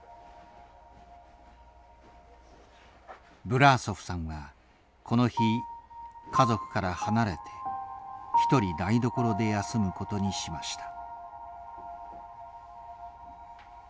ブラーソフさんはこの日家族から離れて一人台所で休むことにしました。